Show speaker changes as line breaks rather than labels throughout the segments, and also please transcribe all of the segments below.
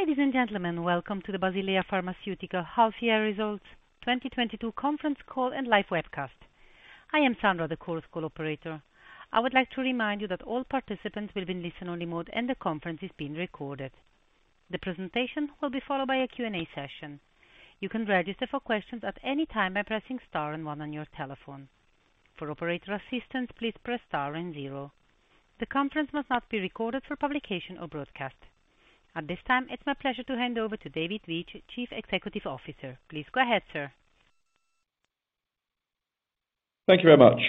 Ladies and gentlemen, welcome to the Basilea Pharmaceutica half-year results 2022 conference call and live webcast. I am Sandra, the conference call operator. I would like to remind you that all participants will be in listen only mode, and the conference is being recorded. The presentation will be followed by a Q&A session. You can register for questions at any time by pressing star and one on your telephone. For operator assistance, please press star and zero. The conference must not be recorded for publication or broadcast. At this time, it's my pleasure to hand over to David Veitch, Chief Executive Officer. Please go ahead, sir.
Thank you very much.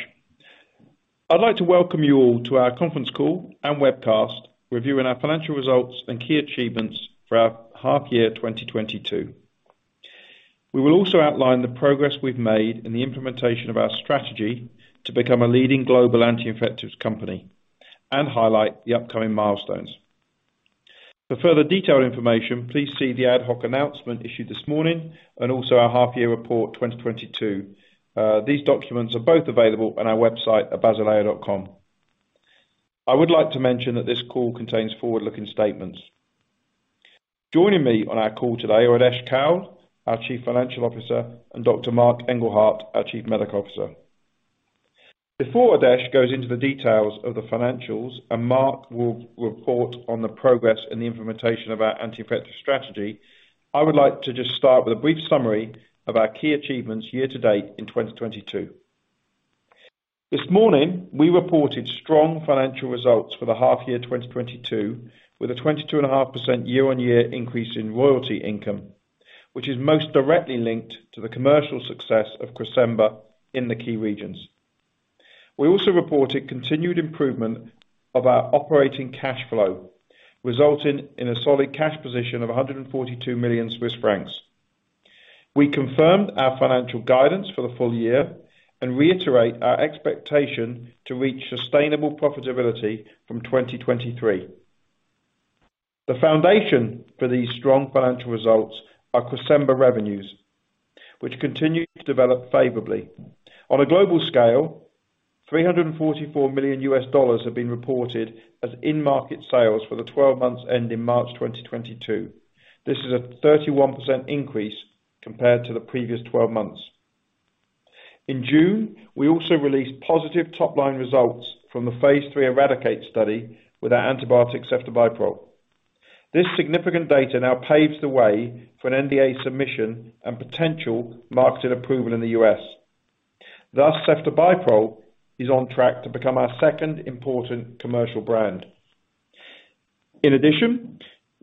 I'd like to welcome you all to our conference call and webcast, reviewing our financial results and key achievements for our half year 2022. We will also outline the progress we've made in the implementation of our strategy to become a leading global anti-infectives company and highlight the upcoming milestones. For further detailed information, please see the ad hoc announcement issued this morning and also our half year report 2022. These documents are both available on our website at basilea.com. I would like to mention that this call contains forward-looking statements. Joining me on our call today are Adesh Kaul, our Chief Financial Officer, and Dr. Marc Engelhardt, our Chief Medical Officer. Before Adesh Kaul goes into the details of the financials and Marc Engelhardt will report on the progress and the implementation of our anti-infective strategy, I would like to just start with a brief summary of our key achievements year-to-date in 2022. This morning, we reported strong financial results for the half year 2022, with a 22.5% year-on-year increase in royalty income, which is most directly linked to the commercial success of Cresemba in the key regions. We also reported continued improvement of our operating cash flow, resulting in a solid cash position of 142 million Swiss francs. We confirmed our financial guidance for the full year and reiterate our expectation to reach sustainable profitability from 2023. The foundation for these strong financial results are Cresemba revenues, which continue to develop favorably. On a global scale, $344 million have been reported as in-market sales for the 12-months ending March 2022. This is a 31% increase compared to the previous 12-months. In June, we also released positive top-line results from the phase III ERADICATE study with our antibiotic, ceftobiprole. This significant data now paves the way for an NDA submission and potential marketed approval in the U.S. Thus, ceftobiprole is on track to become our second important commercial brand. In addition,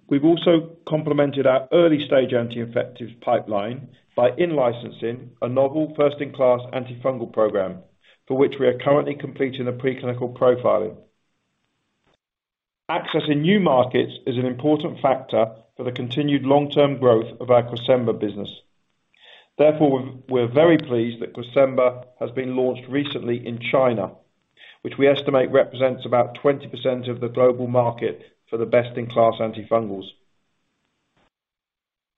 we've also complemented our early-stage anti-infective pipeline by in-licensing a novel first-in-class antifungal program for which we are currently completing a preclinical profiling. Accessing new markets is an important factor for the continued long-term growth of our Cresemba business. Therefore, we're very pleased that Cresemba has been launched recently in China, which we estimate represents about 20% of the global market for the best-in-class antifungals.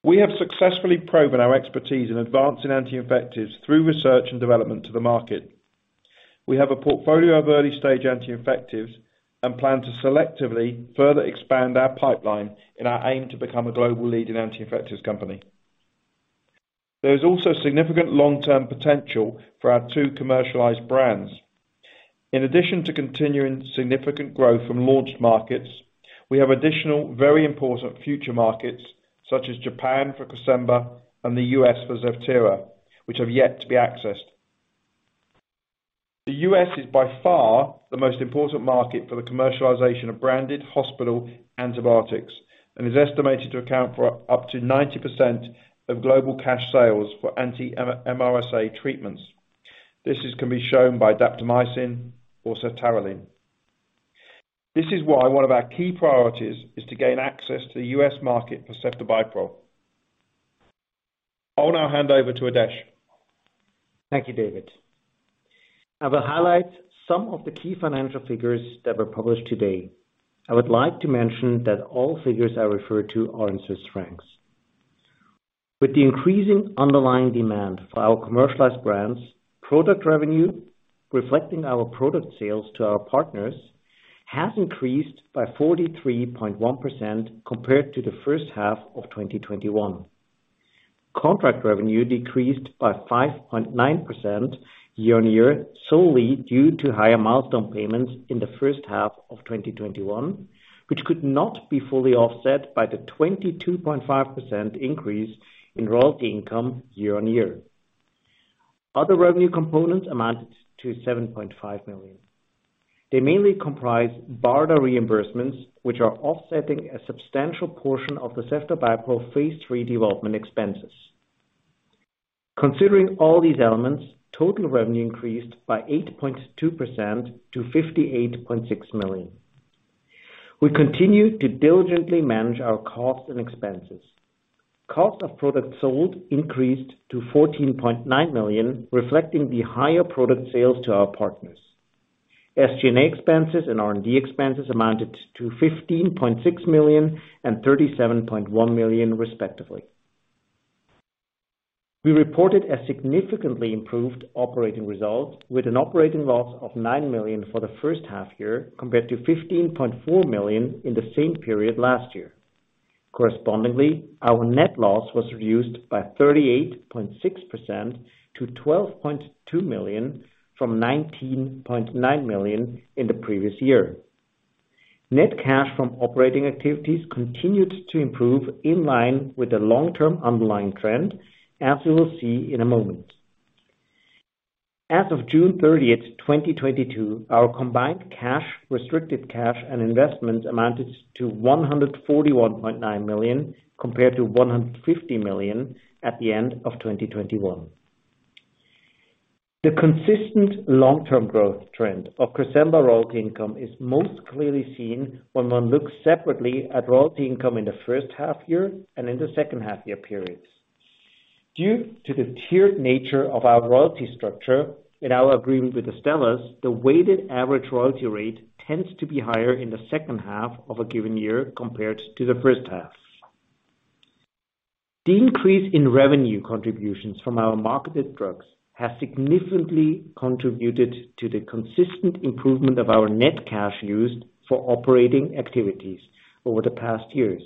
We have successfully proven our expertise in advancing anti-infectives through research and development to the market. We have a portfolio of early-stage anti-infectives and plan to selectively further expand our pipeline in our aim to become a global leader in anti-infectives company. There is also significant long-term potential for our two commercialized brands. In addition to continuing significant growth from launched markets, we have additional very important future markets such as Japan for Cresemba and the U.S. for Zevtera, which have yet to be accessed. The U.S. is by far the most important market for the commercialization of branded hospital antibiotics and is estimated to account for up to 90% of global cash sales for anti-MRSA treatments. This can be shown by daptomycin or ceftaroline. This is why one of our key priorities is to gain access to the U.S. market for ceftobiprole. I'll now hand over to Adesh.
Thank you, David. I will highlight some of the key financial figures that were published today. I would like to mention that all figures I refer to are in Swiss francs. With the increasing underlying demand for our commercialized brands, product revenue, reflecting our product sales to our partners, has increased by 43.1% compared to the first half of 2021. Contract revenue decreased by 5.9% year-on-year, solely due to higher milestone payments in the first half of 2021, which could not be fully offset by the 22.5% increase in royalty income year-on-year. Other revenue components amounted to 7.5 million. They mainly comprise BARDA reimbursements, which are offsetting a substantial portion of the ceftobiprole phase III development expenses. Considering all these elements, total revenue increased by 8.2% to 58.6 million. We continue to diligently manage our costs and expenses. Cost of products sold increased to 14.9 million, reflecting the higher product sales to our partners. SG&A expenses and R&D expenses amounted to 15.6 million and 37.1 million, respectively. We reported a significantly improved operating result with an operating loss of 9 million for the first half year compared to 15.4 million in the same period last year. Correspondingly, our net loss was reduced by 38.6% to 12.2 million from 19.9 million in the previous year. Net cash from operating activities continued to improve in line with the long-term underlying trend, as we will see in a moment. As of June 30, 2022, our combined cash, restricted cash and investment amounted to 141.9 million, compared to 150 million at the end of 2021. The consistent long-term growth trend of Cresemba royalty income is most clearly seen when one looks separately at royalty income in the first half year and in the second half year periods. Due to the tiered nature of our royalty structure in our agreement with Astellas, the weighted average royalty rate tends to be higher in the second half of a given year compared to the first half. The increase in revenue contributions from our marketed drugs has significantly contributed to the consistent improvement of our net cash used for operating activities over the past years.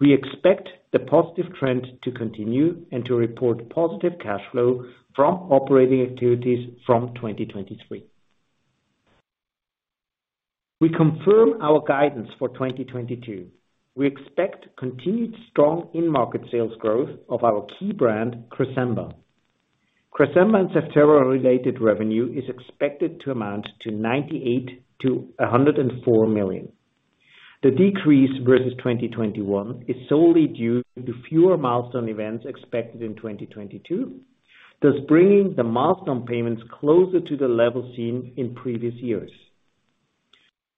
We expect the positive trend to continue and to report positive cash flow from operating activities from 2023. We confirm our guidance for 2022. We expect continued strong in-market sales growth of our key brand, Cresemba. Cresemba and ceftobiprole related revenue is expected to amount to 98 million-104 million. The decrease versus 2021 is solely due to fewer milestone events expected in 2022, thus bringing the milestone payments closer to the level seen in previous years.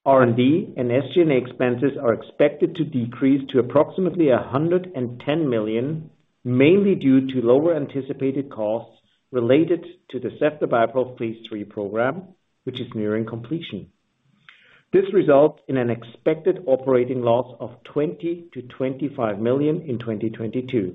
R&D and SG&A expenses are expected to decrease to approximately 110 million, mainly due to lower anticipated costs related to the ceftobiprole phase III program, which is nearing completion. This results in an expected operating loss of 20 million-25 million in 2022.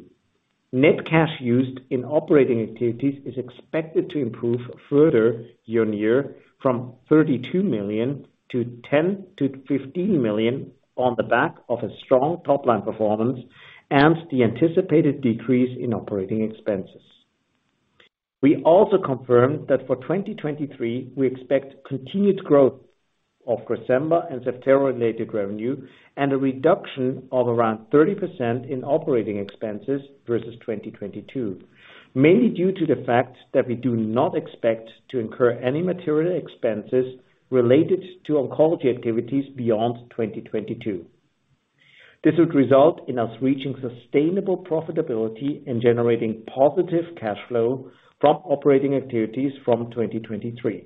Net cash used in operating activities is expected to improve further year-on-year from 32 million to 10 million-15 million on the back of a strong top line performance and the anticipated decrease in operating expenses. We also confirm that for 2023, we expect continued growth of Cresemba and ceftobiprole-related revenue and a reduction of around 30% in operating expenses versus 2022, mainly due to the fact that we do not expect to incur any material expenses related to oncology activities beyond 2022. This would result in us reaching sustainable profitability and generating positive cash flow from operating activities from 2023.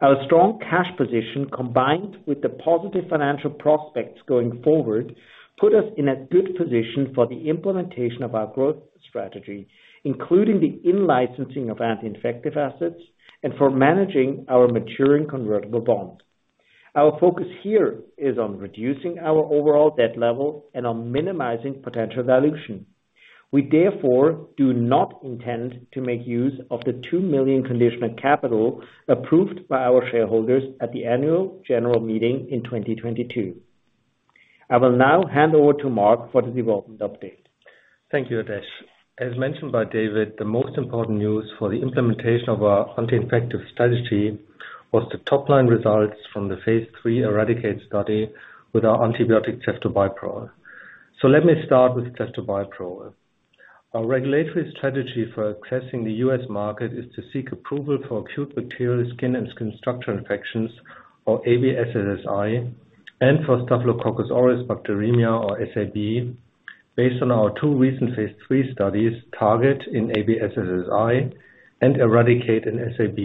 Our strong cash position, combined with the positive financial prospects going forward, put us in a good position for the implementation of our growth strategy, including the in-licensing of anti-infective assets and for managing our maturing convertible bond. Our focus here is on reducing our overall debt level and on minimizing potential dilution. We therefore do not intend to make use of the 2 million conditional capital approved by our shareholders at the annual general meeting in 2022. I will now hand over to Marc for the development update.
Thank you, Adesh. As mentioned by David, the most important news for the implementation of our anti-infective strategy was the top-line results from the phase III ERADICATE study with our antibiotic, ceftobiprole. Let me start with ceftobiprole. Our regulatory strategy for accessing the U.S. market is to seek approval for acute bacterial skin and skin structure infections, or ABSSSI, and for Staphylococcus aureus bacteremia, or SAB, based on our two recent phase III studies, TARGET in ABSSSI and ERADICATE in SAB.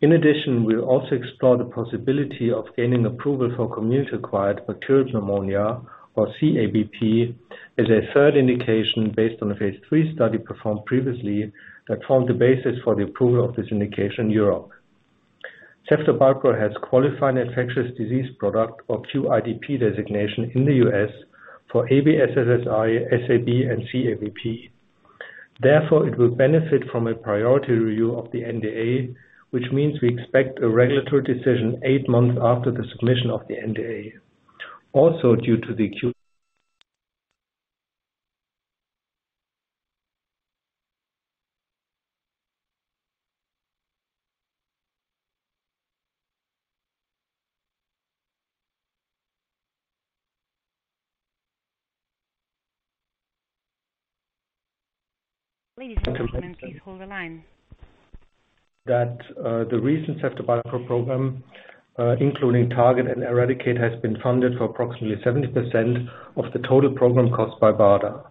In addition, we'll also explore the possibility of gaining approval for community-acquired bacterial pneumonia, or CABP, as a third indication based on a phase III study performed previously that formed the basis for the approval of this indication in Europe. ceftobiprole has qualified infectious disease product or QIDP designation in the U.S. for ABSSSI, SAB, and CABP. Therefore, it will benefit from a priority review of the NDA, which means we expect a regulatory decision eight months after the submission of the NDA. Also, due to the QIDP.
Ladies and gentlemen, please hold the line.
That the recent ceftobiprole program, including TARGET and ERADICATE, has been funded for approximately 70% of the total program cost by BARDA.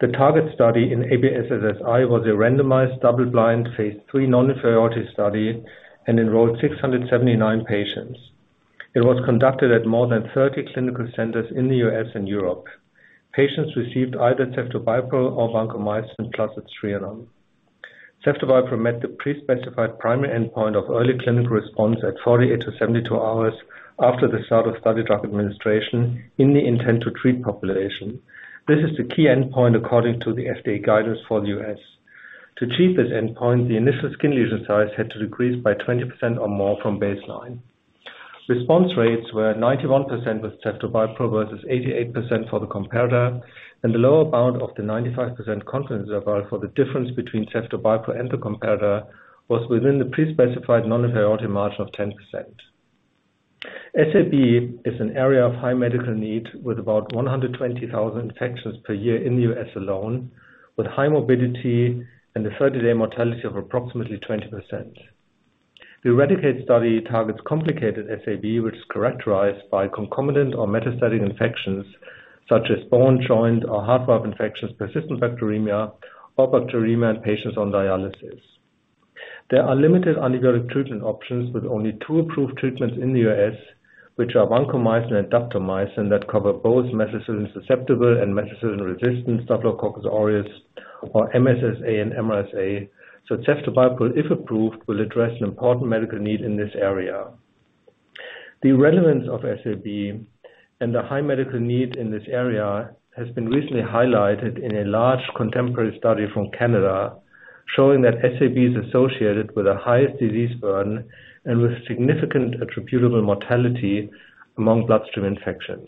The TARGET study in ABSSSI was a randomized, double-blind, phase III non-inferiority study and enrolled 679 patients. It was conducted at more than 30 clinical centers in the U.S. and Europe. Patients received either ceftobiprole or vancomycin plus Aztreonam. Ceftobiprole met the pre-specified primary endpoint of early clinical response at 48-72 hours after the start of study drug administration in the intent to treat population. This is the key endpoint according to the FDA guidance for the U.S. To achieve this endpoint, the initial skin lesion size had to decrease by 20% or more from baseline. Response rates were 91% with ceftobiprole versus 88% for the comparator, and the lower bound of the 95% confidence interval for the difference between ceftobiprole and the comparator was within the pre-specified non-inferiority margin of 10%. SAB is an area of high medical need with about 120,000 infections per year in the U.S. alone, with high morbidity and a 30-day mortality of approximately 20%. The ERADICATE study targets complicated SAB, which is characterized by concomitant or metastatic infections such as bone, joint, or heart valve infections, persistent bacteremia, or bacteremia in patients on dialysis. There are limited antibiotic treatment options with only two approved treatments in the U.S., which are vancomycin and daptomycin, that cover both methicillin-susceptible and methicillin-resistant Staphylococcus aureus or MSSA and MRSA. Ceftobiprole, if approved, will address an important medical need in this area. The relevance of SAB and the high medical need in this area has been recently highlighted in a large contemporary study from Canada, showing that SAB is associated with the highest disease burden and with significant attributable mortality among bloodstream infections.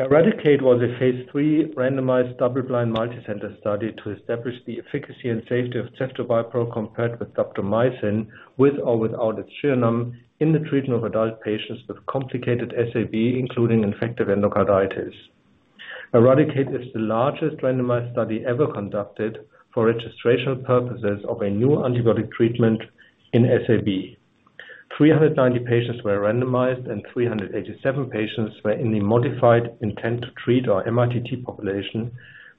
ERADICATE was a phase III randomized double-blind multicenter study to establish the efficacy and safety of ceftobiprole compared with daptomycin, with or without Aztreonam, in the treatment of adult patients with complicated SAB, including infective endocarditis. ERADICATE is the largest randomized study ever conducted for registration purposes of a new antibiotic treatment in SAB. 390 patients were randomized, and 387 patients were in the modified intent-to-treat or mITT population,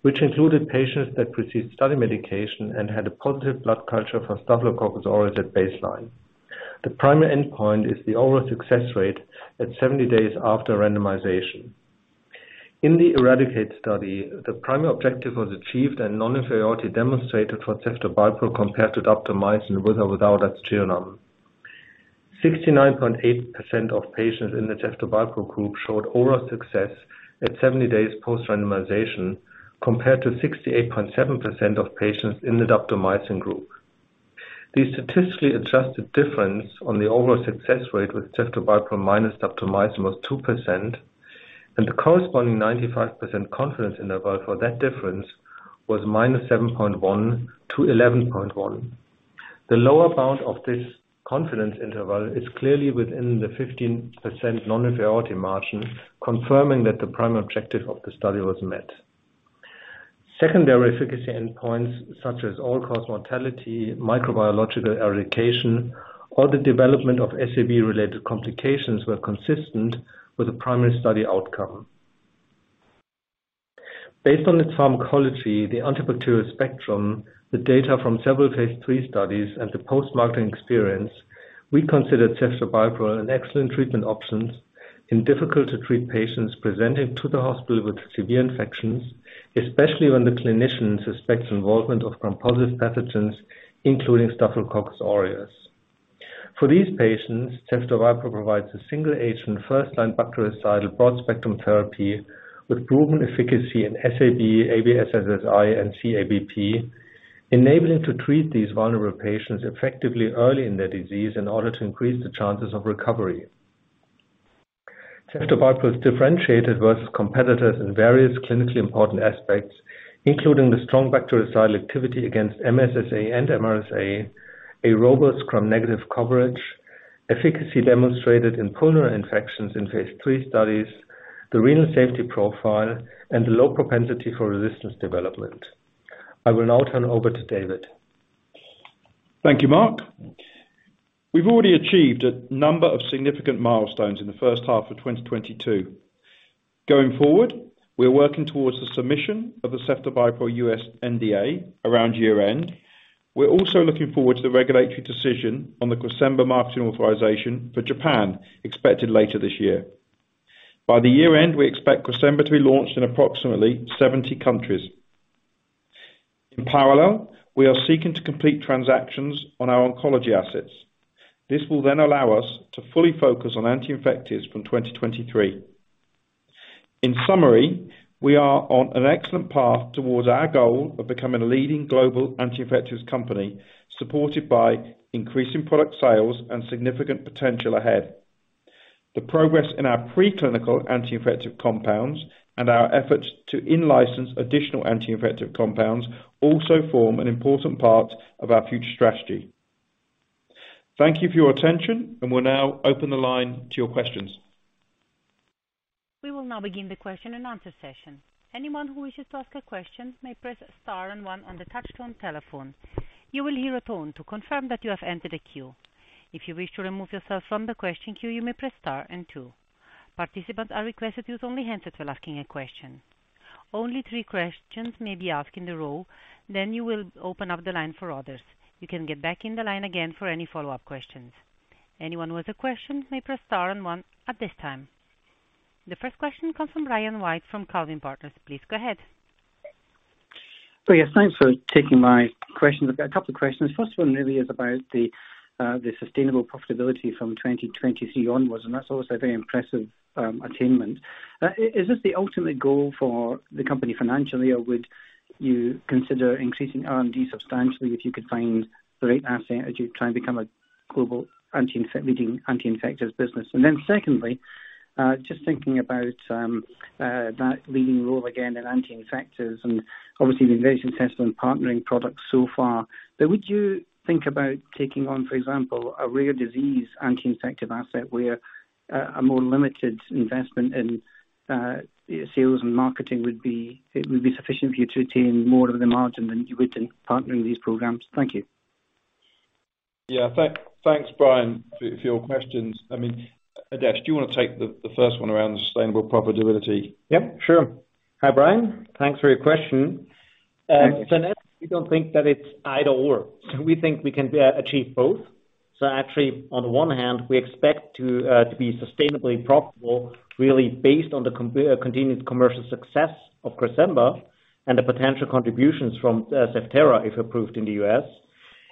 which included patients that received study medication and had a positive blood culture for Staphylococcus aureus at baseline. The primary endpoint is the overall success rate at 70 days after randomization. In the ERADICATE study, the primary objective was achieved and non-inferiority demonstrated for ceftobiprole compared to daptomycin, with or without Aztreonam. 69.8% of patients in the ceftobiprole group showed overall success at 70-days post-randomization compared to 68.7% of patients in the daptomycin group. The statistically adjusted difference on the overall success rate with ceftobiprole minus daptomycin was 2%, and the corresponding 95% confidence interval for that difference was -7.1 to 11.1. The lower bound of this confidence interval is clearly within the 15% non-inferiority margin, confirming that the primary objective of the study was met. Secondary efficacy endpoints, such as all-cause mortality, microbiological eradication, or the development of SAB-related complications, were consistent with the primary study outcome. Based on its pharmacology, the antibacterial spectrum, the data from several phase III studies, and the post-marketing experience, we consider ceftobiprole an excellent treatment options in difficult to treat patients presenting to the hospital with severe infections, especially when the clinician suspects involvement of gram-positive pathogens, including Staphylococcus aureus. For these patients, ceftobiprole provides a single agent, first-line bactericidal broad-spectrum therapy with proven efficacy in SAB, ABSSSI, and CABP, enabling to treat these vulnerable patients effectively early in their disease in order to increase the chances of recovery. Ceftobiprole is differentiated versus competitors in various clinically important aspects, including the strong bactericidal activity against MSSA and MRSA, a robust gram-negative coverage, efficacy demonstrated in pulmonary infections in phase III studies, the renal safety profile, and the low propensity for resistance development. I will now turn over to David.
Thank you, Marc. We've already achieved a number of significant milestones in the first half of 2022. Going forward, we are working towards the submission of the ceftobiprole U.S. NDA around year-end. We're also looking forward to the regulatory decision on the Cresemba marketing authorization for Japan, expected later this year. By the year-end, we expect Cresemba to be launched in approximately 70 countries. In parallel, we are seeking to complete transactions on our oncology assets. This will then allow us to fully focus on anti-infectives from 2023. In summary, we are on an excellent path towards our goal of becoming a leading global anti-infectives company, supported by increasing product sales and significant potential ahead. The progress in our pre-clinical anti-infective compounds and our efforts to in-license additional anti-infective compounds also form an important part of our future strategy. Thank you for your attention, and we'll now open the line to your questions.
We will now begin the question and answer session. Anyone who wishes to ask a question may press star and one on the touchtone telephone. You will hear a tone to confirm that you have entered a queue. If you wish to remove yourself from the question queue, you may press star and two. Participants are requested to use only hands-free while asking a question. Only three questions may be asked in a row, then you will open up the line for others. You can get back in the line again for any follow-up questions. Anyone with a question may press star and one at this time. The first question comes from Brian White from Calvine Partners. Please go ahead.
Yes. Thanks for taking my question. I've got a couple of questions. First one really is about the sustainable profitability from 2020 onwards, and that's always a very impressive attainment. Is this the ultimate goal for the company financially? Or would you consider increasing R&D substantially if you could find the right asset as you try and become a global leading anti-infectives business? Then secondly, just thinking about that leading role again in anti-infectives and obviously the investing testing and partnering products so far, but would you think about taking on, for example, a rare disease anti-infective asset where a more limited investment in sales and marketing would be sufficient for you to attain more of the margin than you would in partnering these programs? Thank you.
Yeah. Thanks, Brian, for your questions. I mean, Adesh, do you want to take the first one around the sustainable profitability?
Yep, sure. Hi, Brian. Thanks for your question.
Thank you.
Net, we don't think that it's either/or. We think we can achieve both. Actually on one hand, we expect to be sustainably profitable really based on the continued commercial success of Cresemba and the potential contributions from Zevtera, if approved in the U.S.,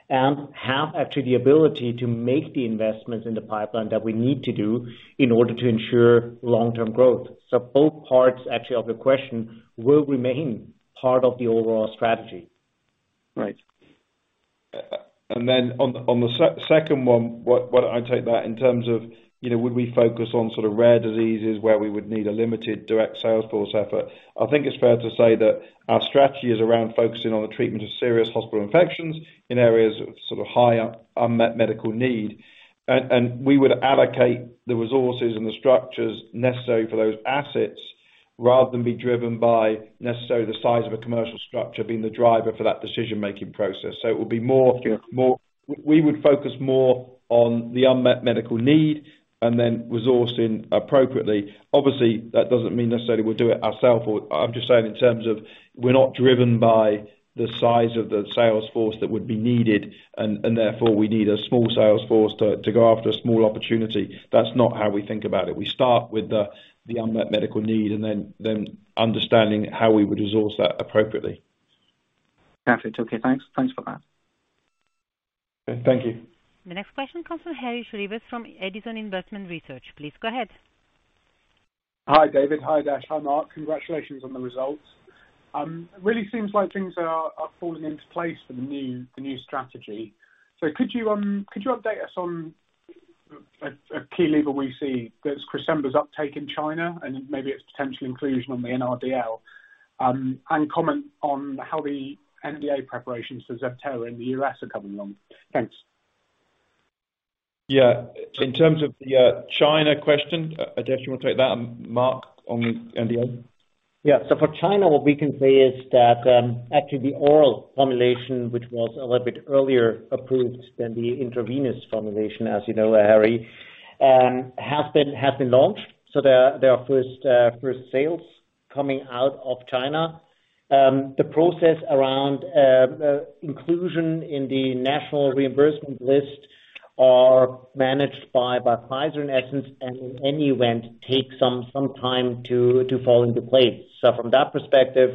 and have actually the ability to make the investments in the pipeline that we need to do in order to ensure long-term growth. Both parts actually of your question will remain part of the overall strategy.
Right.
Then on the second one, what I take that in terms of, you know, would we focus on sort of rare diseases where we would need a limited direct sales force effort. I think it's fair to say that our strategy is around focusing on the treatment of serious hospital infections in areas of sort of higher unmet medical need. We would allocate the resources and the structures necessary for those assets rather than be driven by necessarily the size of a commercial structure being the driver for that decision-making process. It will be more.
Sure.
We would focus more on the unmet medical need and then resourcing appropriately. Obviously, that doesn't mean necessarily we'll do it ourselves or I'm just saying in terms of we're not driven by the size of the sales force that would be needed and therefore we need a small sales force to go after a small opportunity. That's not how we think about it. We start with the unmet medical need and then understanding how we would resource that appropriately.
Got it. Okay, thanks. Thanks for that.
Thank you.
The next question comes from Simon Goodwin from Edison Investment Research. Please go ahead.
Hi, David Veitch. Hi, Adesh Kaul. Hi, Marc Engelhardt. Congratulations on the results. Really seems like things are falling into place for the new strategy. Could you update us on a key lever we see that's Cresemba's uptake in China and maybe its potential inclusion on the NRDL, and comment on how the NDA preparations for Zevtera in the U.S. are coming along? Thanks.
Yeah. In terms of the China question, Adesh, you wanna take that, and Marc on the NDA?
Yeah. For China, what we can say is that, actually the oral formulation, which was a little bit earlier approved than the intravenous formulation, as you know, Harry, has been launched. There are first sales coming out of China. The process around inclusion in the national reimbursement list are managed by Pfizer in essence, and in any event take some time to fall into place. From that perspective,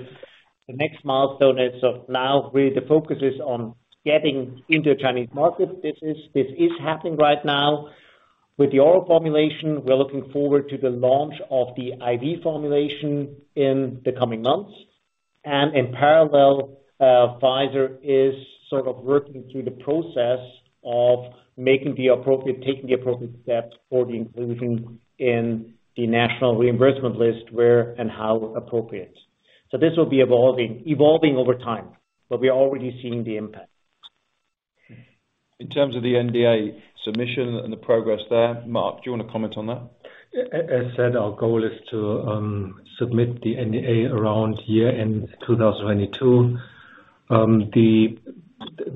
the next milestone is now really the focus is on getting into Chinese market. This is happening right now. With the oral formulation, we're looking forward to the launch of the IV formulation in the coming months. In parallel, Pfizer is sort of working through the process of taking the appropriate steps for the inclusion in the national reimbursement list where and how appropriate. This will be evolving over time, but we are already seeing the impact.
In terms of the NDA submission and the progress there, Mark, do you wanna comment on that?
As said, our goal is to submit the NDA around year-end 2022.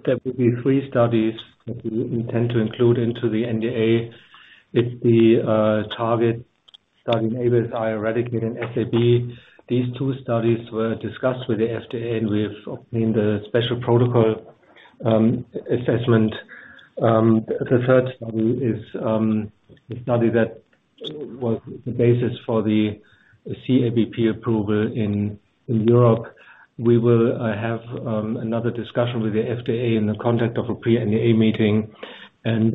There will be three studies that we intend to include into the NDA. It's the TARGET study in ABSSSI, ERADICATE and SAB. These two studies were discussed with the FDA, and we've obtained a Special Protocol Assessment. The third study is a study that was the basis for the CABP approval in Europe. We will have another discussion with the FDA in the context of a pre-NDA meeting, and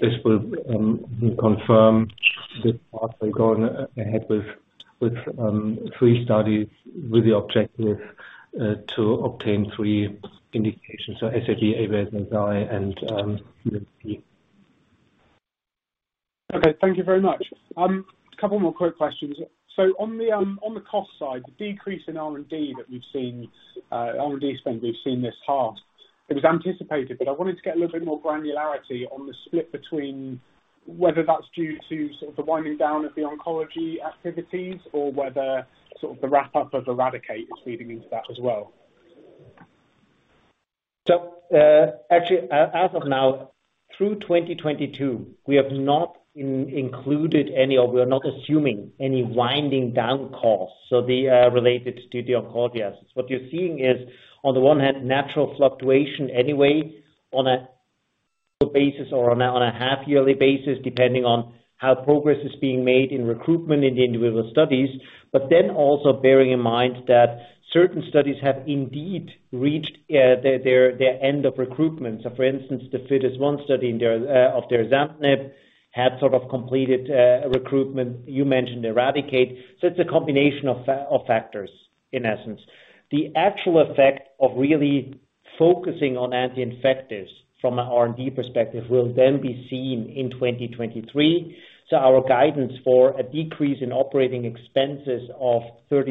this will confirm the path we're going ahead with three studies with the objective to obtain three indications, so SAB, ABSSSI and CABP, and UMP.
Okay, thank you very much. A couple more quick questions. On the cost side, the decrease in R&D spend we've seen this half, it was anticipated, but I wanted to get a little bit more granularity on the split between whether that's due to sort of the winding down of the oncology activities or whether sort of the wrap-up of ERADICATE is feeding into that as well.
Actually, as of now, through 2022, we have not included any, or we are not assuming any winding down costs related to the oncology assets. What you're seeing is, on the one hand, natural fluctuation anyway on an annual basis or on a half-yearly basis, depending on how progress is being made in recruitment in the individual studies. Also bearing in mind that certain studies have indeed reached their end of recruitment. For instance, the FIDES-01 study of their derazantinib had sort of completed recruitment. You mentioned ERADICATE. It's a combination of factors in essence. The actual effect of really focusing on anti-infectives from an R&D perspective will then be seen in 2023. Our guidance for a decrease in operating expenses of 30%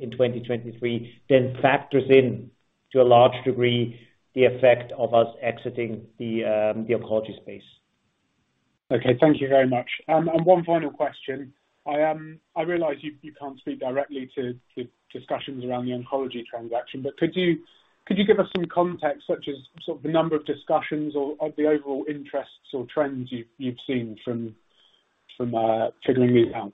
in 2023 then factors in, to a large degree, the effect of us exiting the oncology space.
Okay, thank you very much. One final question. I realize you can't speak directly to discussions around the oncology transaction, but could you give us some context such as sort of the number of discussions or the overall interests or trends you've seen from triggering these out?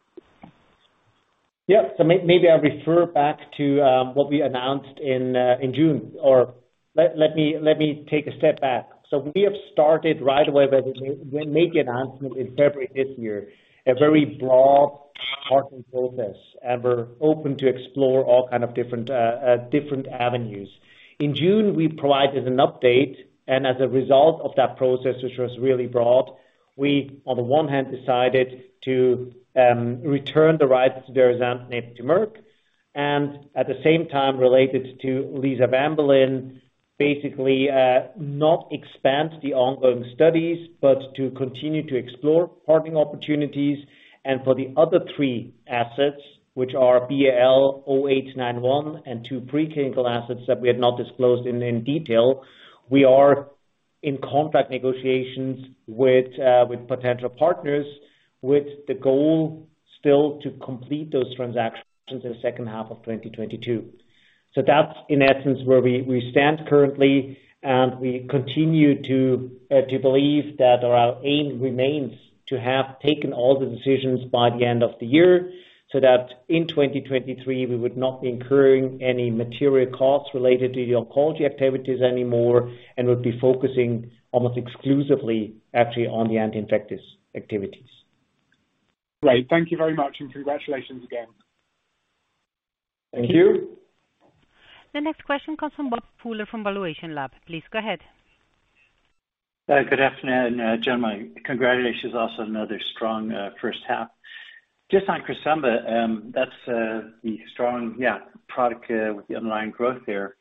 Yeah. Maybe I'll refer back to what we announced in June, or let me take a step back. We have started right away by the way, when we make the announcement in February this year, a very broad partnering process, and we're open to explore all kind of different avenues. In June, we provided an update, and as a result of that process, which was really broad, we on the one hand decided to return the rights to derazantinib to Merck, and at the same time related to lisavanbulin, basically not expand the ongoing studies, but to continue to explore partnering opportunities. For the other three assets, which are BAL0891 and two preclinical assets that we have not disclosed in detail, we are in contract negotiations with potential partners with the goal still to complete those transactions in the second half of 2022. That's in essence where we stand currently, and we continue to believe that our aim remains to have taken all the decisions by the end of the year, so that in 2023, we would not be incurring any material costs related to the oncology activities anymore and would be focusing almost exclusively actually on the anti-infectives activities.
Great. Thank you very much, and congratulations again.
Thank you.
The next question comes from Bob Pooler from valuationLAB. Please go ahead.
Good afternoon, gentlemen. Congratulations also another strong first half. Just on Cresemba, that's the strong, yeah, product with the underlying growth there.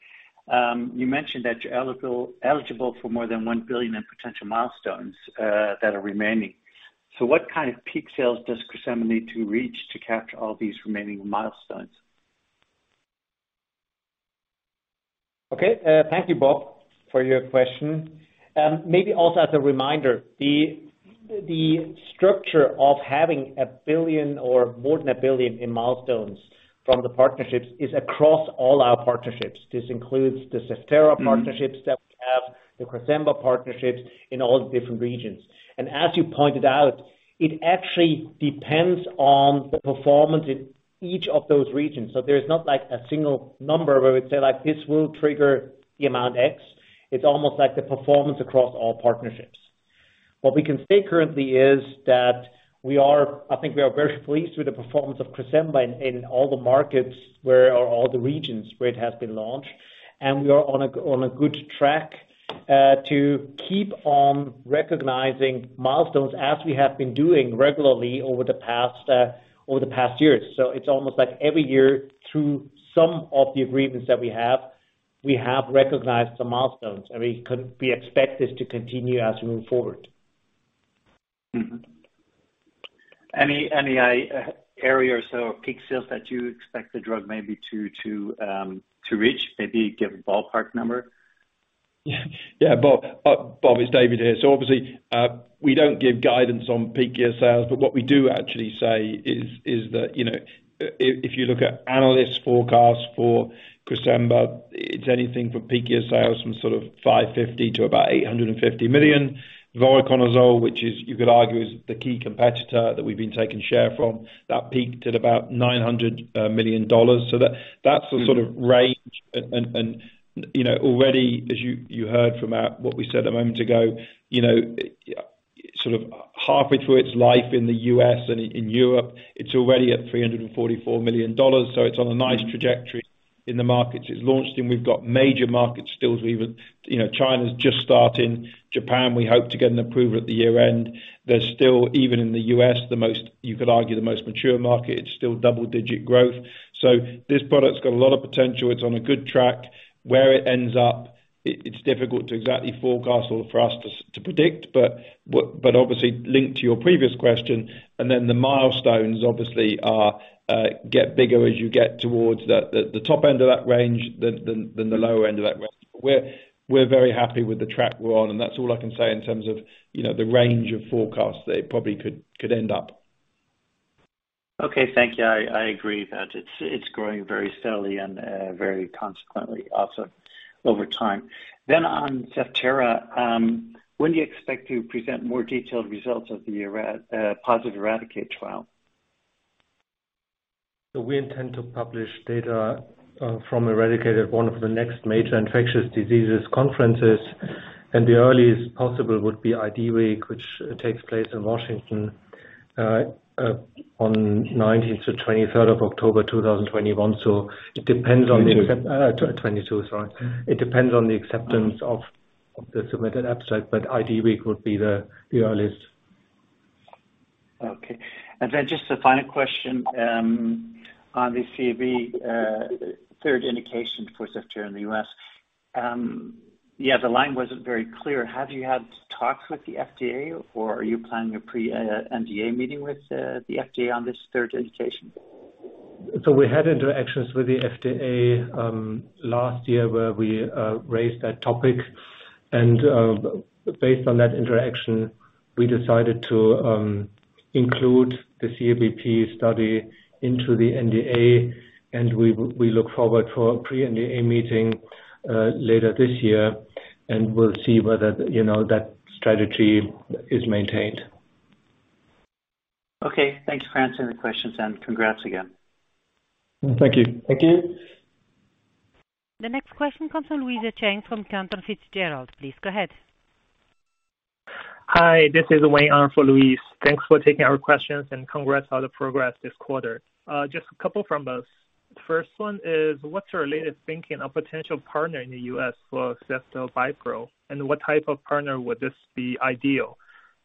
You mentioned that you're eligible for more than 1 billion in potential milestones that are remaining. What kind of peak sales does Cresemba need to reach to capture all these remaining milestones?
Okay. Thank you, Bob, for your question. Maybe also as a reminder, the structure of having 1 billion or more than 1 billion in milestones from the partnerships is across all our partnerships. This includes the Zevtera partnerships that we have, the Cresemba partnerships in all the different regions. As you pointed out, it actually depends on the performance in each of those regions. There's not like a single number where we'd say like, "This will trigger the amount X." It's almost like the performance across all partnerships. What we can say currently is that I think we are very pleased with the performance of Cresemba in all the markets, or all the regions where it has been launched, and we are on a good track to keep on recognizing milestones as we have been doing regularly over the past years. It's almost like every year through some of the agreements that we have, we have recognized some milestones, and we expect this to continue as we move forward.
Any areas or peak sales that you expect the drug maybe to reach? Maybe give a ballpark number.
Yeah. Yeah. Bob, it's David here. Obviously, we don't give guidance on peak year sales, but what we do actually say is that, you know, if you look at analysts' forecasts for Cresemba, it's anything from peak year sales from sort of $550 million-$850 million. Voriconazole, which is you could argue is the key competitor that we've been taking share from, that peaked at about $900 million. That's the sort of range. And, and, you know, already as you heard from what we said a moment ago, you know, sort of halfway through its life in the U.S. and in Europe, it's already at $344 million, so it's on a nice trajectory in the markets it's launched in. We've got major markets still to even. You know, China's just starting. Japan, we hope to get an approval at the year-end. There's still even in the U.S. the most, you could argue, the most mature market, it's still double-digit growth. This product's got a lot of potential. It's on a good track. Where it ends up it's difficult to exactly forecast or for us to predict, but obviously linked to your previous question, and then the milestones obviously are get bigger as you get towards the top end of that range than the lower end of that range. We're very happy with the track we're on, and that's all I can say in terms of, you know, the range of forecasts that it probably could end up.
Okay. Thank you. I agree that it's growing very steadily and very consequently also over time. On Zevtera, when do you expect to present more detailed results of the positive ERADICATE trial?
We intend to publish data from ERADICATE at one of the next major infectious diseases conferences, and the earliest possible would be IDWeek, which takes place in Washington on 19th-23rd of October 2021. It depends on the-
2022.
2022, sorry. It depends on the acceptance of the submitted abstract, but IDWeek would be the earliest.
Okay. Just a final question on the CABP, third indication for Zevtera in the U.S., The line wasn't very clear. Have you had talks with the FDA or are you planning a pre-NDA meeting with the FDA on this third indication?
We had interactions with the FDA last year, where we raised that topic. Based on that interaction, we decided to include the CABP study into the NDA, and we look forward for a pre-NDA meeting later this year, and we'll see whether, you know, that strategy is maintained.
Okay. Thanks for answering the questions and congrats again.
Thank you.
Thank you.
The next question comes from Louise Chen from Cantor Fitzgerald. Please go ahead.
Hi, this is Wayne on for Louise. Thanks for taking our questions and congrats on the progress this quarter. Just a couple from us. First one is what's your latest thinking on potential partner in the U.S. for ceftobiprole, and what type of partner would this be ideal?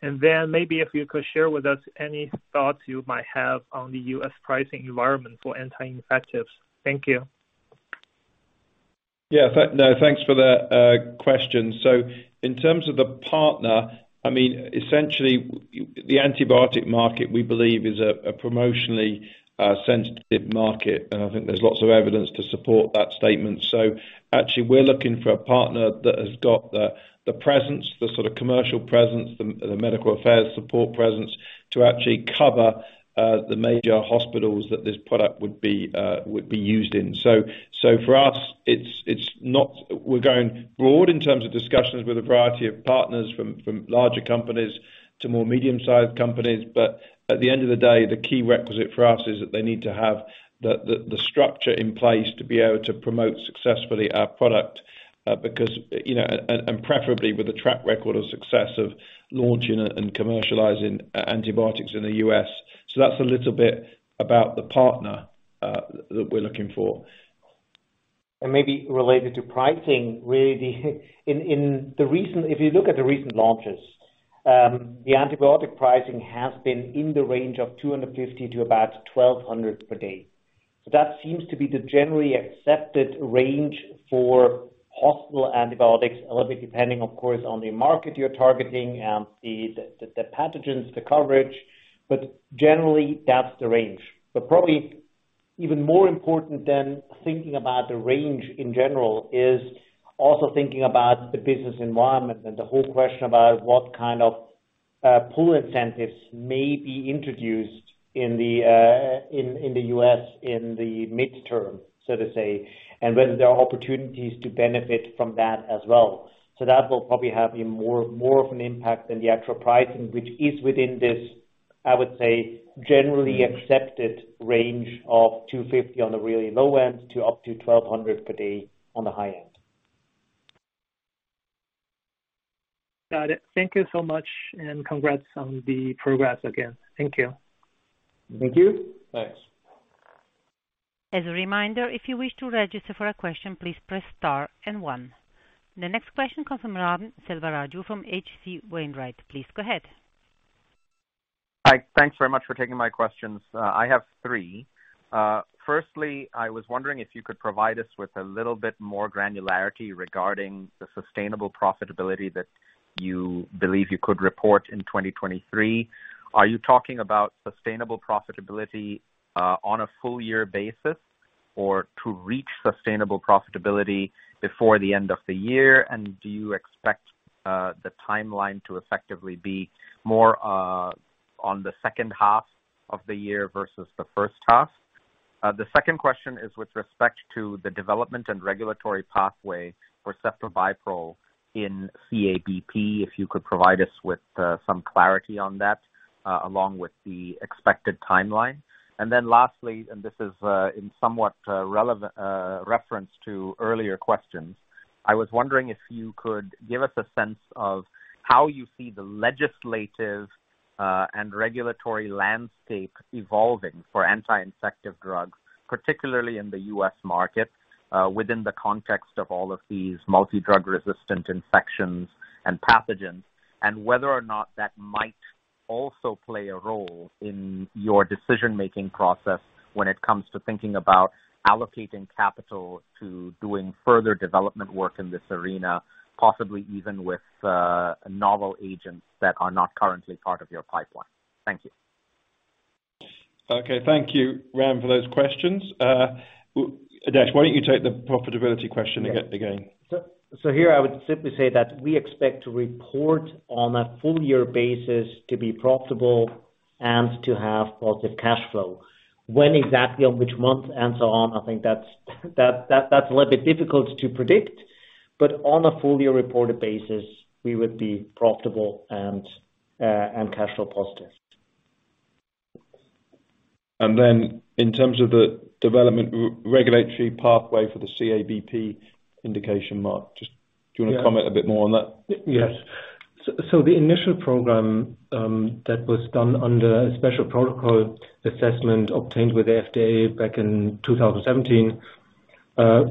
Maybe if you could share with us any thoughts you might have on the U.S. pricing environment for anti-infectives. Thank you.
Yeah. Thanks for the question. In terms of the partner, I mean, essentially the antibiotic market, we believe is a promotionally sensitive market. I think there's lots of evidence to support that statement. Actually we're looking for a partner that has got the presence, the sort of commercial presence, the medical affairs support presence to actually cover the major hospitals that this product would be used in. For us, it's not. We're going broad in terms of discussions with a variety of partners from larger companies to more medium-sized companies. At the end of the day, the key requisite for us is that they need to have the structure in place to be able to promote successfully our product, because, you know, and preferably with a track record of success of launching it and commercializing antibiotics in the U.S. That's a little bit about the partner that we're looking for.
Maybe related to pricing, really in the recent if you look at the recent launches, the antibiotic pricing has been in the range of $250 to about $1,200 per day. That seems to be the generally accepted range for hospital antibiotics, a little bit depending of course on the market you're targeting and the pathogens, the coverage. Generally that's the range. Probably even more important than thinking about the range in general is also thinking about the business environment and the whole question about what kind of pull incentives may be introduced in the U.S. in the medium term, so to say, and whether there are opportunities to benefit from that as well. That will probably have a more of an impact than the actual pricing, which is within this, I would say, generally accepted range of 250 on the really low end to up to 1200 per day on the high end.
Got it. Thank you so much and congrats on the progress again. Thank you.
Thank you.
Thanks.
As a reminder, if you wish to register for a question, please press star and one. The next question comes from Raghuram Selvaraju from H.C. Wainwright. Please go ahead.
Hi. Thanks very much for taking my questions. I have three. Firstly, I was wondering if you could provide us with a little bit more granularity regarding the sustainable profitability that you believe you could report in 2023. Are you talking about sustainable profitability on a full year basis or to reach sustainable profitability before the end of the year? Do you expect the timeline to effectively be more on the second half of the year versus the first half? The second question is with respect to the development and regulatory pathway for ceftobiprole in CABP, if you could provide us with some clarity on that along with the expected timeline. Then lastly, this is in somewhat reference to earlier questions. I was wondering if you could give us a sense of how you see the legislative and regulatory landscape evolving for anti-infective drugs, particularly in the U.S. market, within the context of all of these multi-drug resistant infections and pathogens? Whether or not that might also play a role in your decision-making process when it comes to thinking about allocating capital to doing further development work in this arena, possibly even with novel agents that are not currently part of your pipeline? Thank you.
Okay. Thank you, Ram, for those questions. Adesh, why don't you take the profitability question again?
Here I would simply say that we expect to report on a full year basis to be profitable and to have positive cash flow. When exactly on which month and so on, I think that's a little bit difficult to predict, but on a full year reported basis, we would be profitable and cash flow positive.
In terms of the development regulatory pathway for the CABP indication, Marc, just-.
Yeah.
Do you want to comment a bit more on that?
Yes. The initial program that was done under a Special Protocol Assessment obtained with FDA back in 2017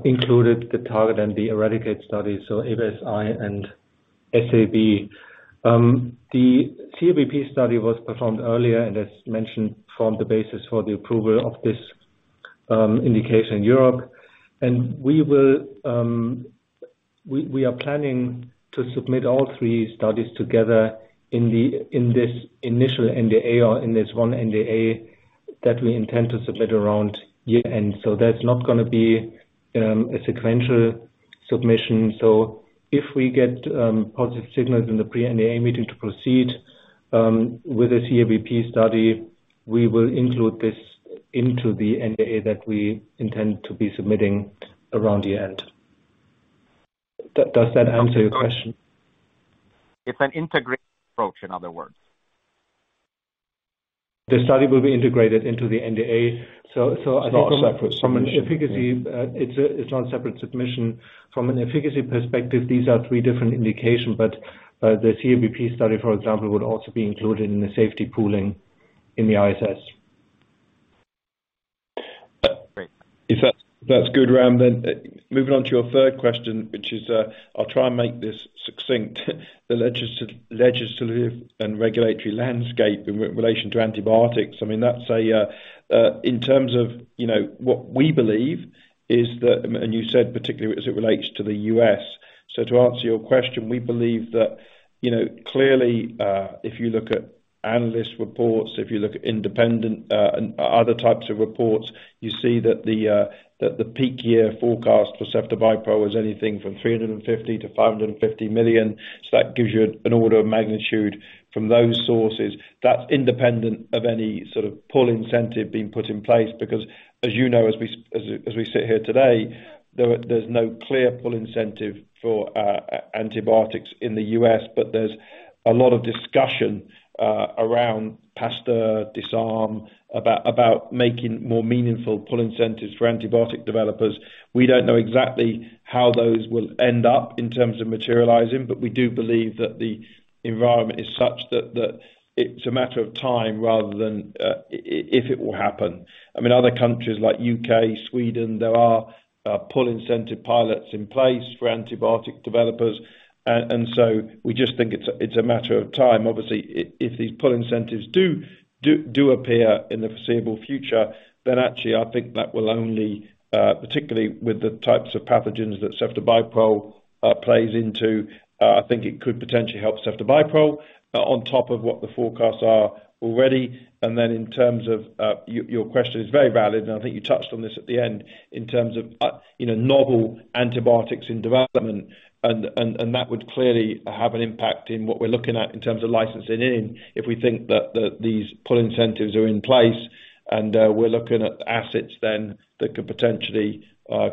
included the TARGET and the ERADICATE studies, so ABSSSI and SAB. The CABP study was performed earlier, and as mentioned, formed the basis for the approval of this indication in Europe. We are planning to submit all three studies together in the initial NDA or in this one NDA that we intend to submit around year-end. That's not gonna be a sequential submission. If we get positive signals in the pre-NDA meeting to proceed with the CABP study, we will include this into the NDA that we intend to be submitting around the end. Does that answer your question?
It's an integrated approach, in other words.
The study will be integrated into the NDA. I think from-.
It's not a separate submission.
It's not a separate submission. From an efficacy perspective, these are three different indication, but the CABP study, for example, would also be included in the safety pooling in the ISS.
Great.
That's good, Ram, moving on to your third question, which is, I'll try and make this succinct. The legislative and regulatory landscape in relation to antibiotics. I mean, that's a, in terms of, you know, what we believe is that and you said particularly as it relates to the U.S., To answer your question, we believe that, you know, clearly, if you look at analyst reports, if you look at independent and other types of reports, you see that the peak year forecast for ceftobiprole is anything from 350 million-550 million. That gives you an order of magnitude from those sources. That's independent of any sort of pull incentive being put in place because as you know, as we sit here today, there's no clear pull incentive for antibiotics in the U.S., but there's a lot of discussion around PASTEUR, DISARM, about making more meaningful pull incentives for antibiotic developers. We don't know exactly how those will end up in terms of materializing, but we do believe that the environment is such that it's a matter of time rather than if it will happen. I mean, other countries like U.K., Sweden, there are pull incentive pilots in place for antibiotic developers. We just think it's a matter of time. Obviously, if these pull incentives do appear in the foreseeable future, then actually I think that will only particularly with the types of pathogens that ceftobiprole plays into, I think it could potentially help ceftobiprole on top of what the forecasts are already. Then in terms of, your question is very valid, and I think you touched on this at the end in terms of, you know, novel antibiotics in development and that would clearly have an impact in what we're looking at in terms of licensing in. If we think that these pull incentives are in place and, we're looking at assets then that could potentially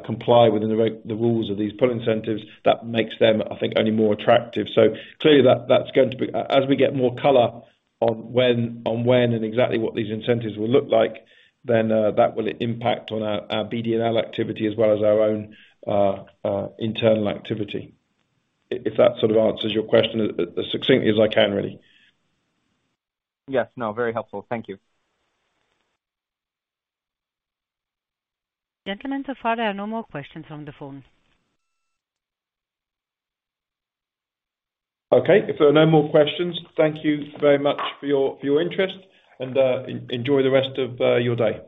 comply within the rules of these pull incentives, that makes them, I think, only more attractive. Clearly that's going to be. As we get more color on when and exactly what these incentives will look like, then that will impact on our BD&L activity as well as our own internal activity. If that sort of answers your question as succinctly as I can really.
Yes. No, very helpful. Thank you.
Gentlemen, so far there are no more questions from the phone.
Okay. If there are no more questions, thank you very much for your interest and enjoy the rest of your day.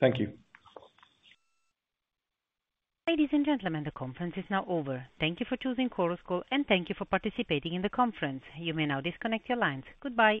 Thank you.
Ladies and gentlemen, the conference is now over. Thank you for choosing Chorus Call, and thank you for participating in the conference. You may now disconnect your lines. Goodbye.